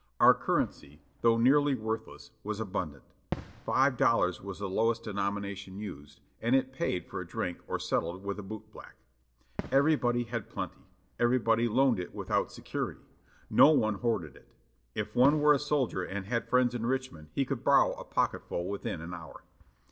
Our currency, though nearly worthless, was abundant. Five dollars was the lowest denomination used, and it paid for a drink or settled wnth the bootblack. Everybody had plenty. Everybody loaned it without security. No one hoarded it. If one were a soldier and had friends in Richmond he could borrow a pocketful within an hour.